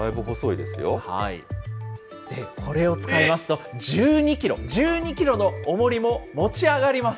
これを使いますと、１２キロ、１２キロのおもりも持ち上がります。